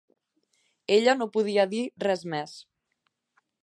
Ella no podia dir res més.